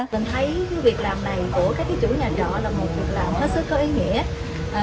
mình thấy việc làm này của các chủ nhà trọ là một việc làm rất là có ý nghĩa